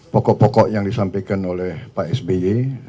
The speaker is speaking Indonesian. pokok pokok yang disampaikan oleh pak sby